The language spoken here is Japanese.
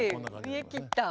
見得切った。